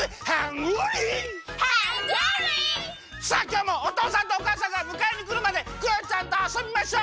さあきょうもおとうさんとおかあさんがむかえにくるまでクヨちゃんとあそびましょ！